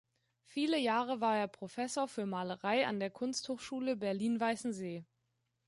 Viele Jahre war er Professor für Malerei an der Kunsthochschule Berlin-Weißensee.